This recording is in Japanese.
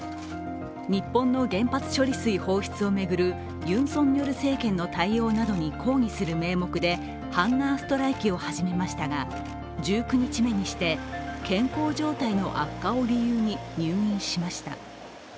日本の原発処理水放出を巡るユン・ソンニョル政権の対応などに抗議する名目でハンガーストライキを始めましたが、１９日目にして健康状態の悪化を理由に入院しました。